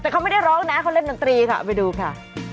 ทุกคนนะเข้าเล่นหนังตรีนะคะไปดูค่ะ